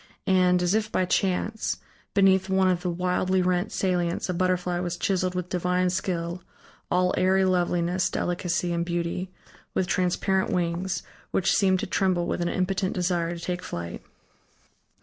And, as if by chance, beneath one of the wildly rent salients a butterfly was chiseled with divine skill, all airy loveliness, delicacy, and beauty, with transparent wings, which seemed to tremble with an impotent desire to take flight.